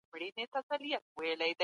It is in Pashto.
هغه څوک چي سوله غواړي، جګړه نه کوي.